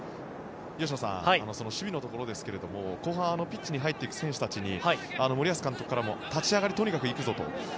吉野さん、守備のところですが後半、ピッチに入っていく選手たちに森保監督からも立ち上がりとにかく行くぞと。